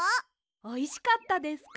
おいしかったですか？